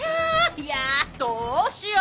いやどうしよう？